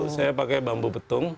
saya pakai bambu betung